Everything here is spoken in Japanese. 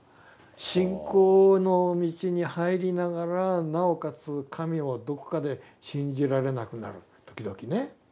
信仰の道に入りながらなおかつ神をどこかで信じられなくなる時々ね。